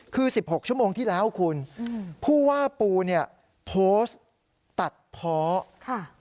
คือ๑๖ชั่วโมงที่แล้วคุณผู้ว่าปูเนี่ยโพสต์ตัดเพาะ